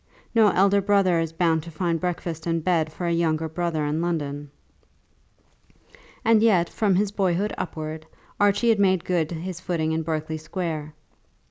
No elder brother is bound to find breakfast and bed for a younger brother in London. And yet from his boyhood upwards Archie had made good his footing in Berkeley Square.